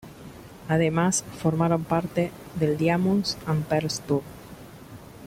Además, formaron parte del Diamonds and Pearls Tour.